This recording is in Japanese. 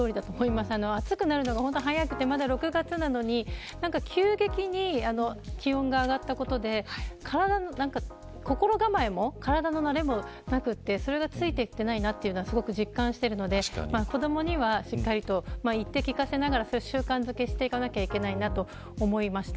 暑くなるのが早くてまだ６月なのに急激に気温が上がったことで心構えも、体の慣れもなくてついていっていないのと実感しているので子どもにはしっかりと言って聞かせながら習慣づけしていかなければいけないなと思いました。